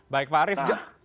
baik pak arief